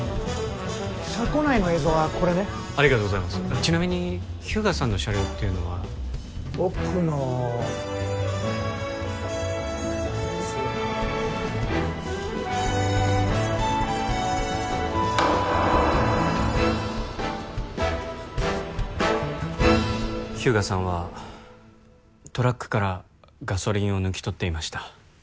車庫内の映像はこれねありがとうございますちなみに日向さんの車両っていうのは奥の日向さんはトラックからガソリンを抜き取っていました